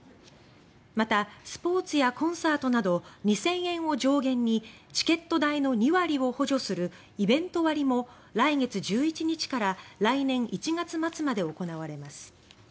またスポーツやコンサートなど２０００円を上限にチケット代の２割を補助する「イベント割」も来月１１日から来年１月末まで行われます。